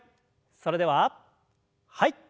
それでははい。